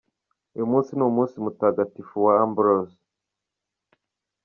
Uyu munsi ni umunsi wa Mutagatifu Ambrose.